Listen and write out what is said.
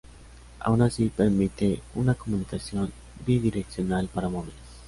Aun así, permite una comunicación bidireccional para móviles.